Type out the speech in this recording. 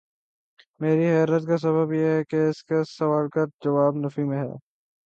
میری حیرت کا سبب یہ ہے کہ اس سوال کا جواب نفی میں ہے۔